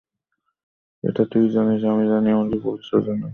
এটা তুই জানিস, আমি জানি, এমনকি পুলিশও জানে।